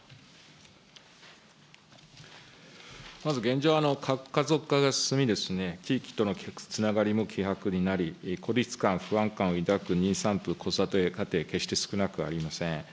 まず現状、核家族化が進み、地域とのつながりも希薄になり、孤立感、不安感を抱く妊産婦、子育て家庭、決して少なくありません。